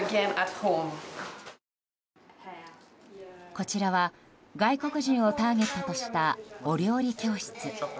こちらは外国人をターゲットとしたお料理教室。